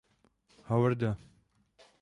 Howarda.